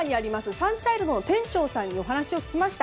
サンチャイルドの店長にお話を聞きました。